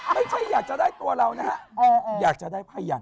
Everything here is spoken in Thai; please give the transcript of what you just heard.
ไม่ใช่อยากจะได้ตัวเรานะฮะอยากจะได้พยาน